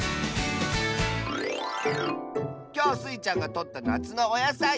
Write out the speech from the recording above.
きょうスイちゃんがとったなつのおやさい。